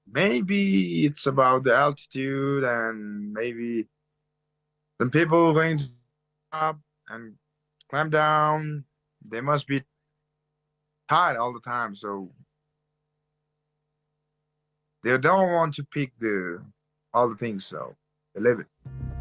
mungkin itu tentang tingkat dan mungkin beberapa orang yang mau naik dan naik ke bawah mereka harus tertarik sepanjang waktu jadi mereka tidak ingin memilih semua hal lain jadi mereka meninggalkannya